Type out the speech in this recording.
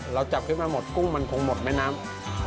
เราจับขึ้นมาหมดกุ้งมันคงหมดแม่น้ำ